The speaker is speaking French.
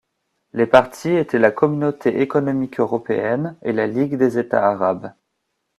Les parties étaient la Communauté économique européenne et la Ligue des États arabes.